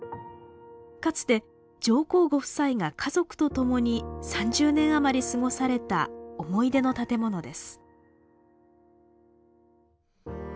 かつて上皇ご夫妻が家族と共に３０年あまり過ごされた思い出の建物です。